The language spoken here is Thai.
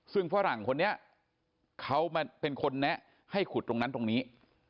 ซึ่งฝรั่งคนนี้เขามาเป็นคนแนะให้ขุดตรงนั้นตรงนี้